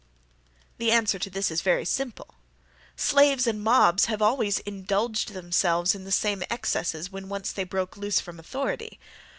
The answer to this is very simple. Slaves and mobs have always indulged themselves in the same excesses, when once they broke loose from authority.